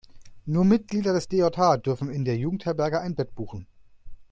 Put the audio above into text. Nur Mitglieder des DJH dürfen in der Jugendherberge ein Bett buchen.